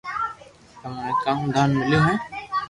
تمو ني ڪاو دان مليو ھي